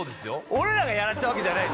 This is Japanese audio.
俺らがやらしたわけじゃない。